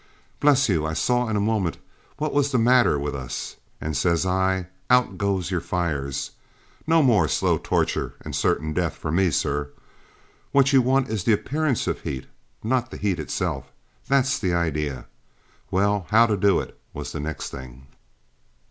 Bless you I saw in a moment what was the matter with us, and says I, out goes your fires! no more slow torture and certain death for me, sir. What you want is the appearance of heat, not the heat itself that's the idea. Well how to do it was the next thing.